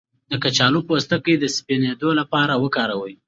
د کچالو پوستکی د سپینیدو لپاره وکاروئ